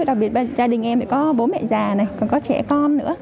đặc biệt gia đình em có bố mẹ già này còn có trẻ con nữa